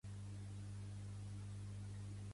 La malaltia que va provocar el naixement dels llatzerets.